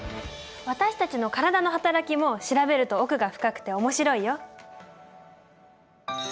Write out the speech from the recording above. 私たちの体の働きも調べると奥が深くて面白いよ。